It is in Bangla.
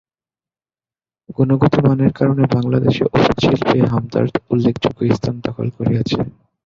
গুণগত মানের কারণে বাংলাদেশে ওষুধ শিল্পে হামদর্দ উল্লেখযোগ্য স্থান দখল করে আছে।